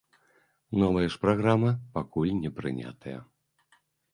Новая ж праграма пакуль не прынятая.